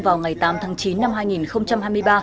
vào ngày tám tháng chín năm hai nghìn hai mươi ba